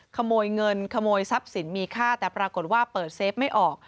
ขโมยเงินขโมยทรัพย์สินมีค่าแต่ปรากฏว่าเปิดเซฟไม่ออก